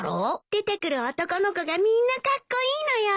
出てくる男の子がみんなカッコイイのよ。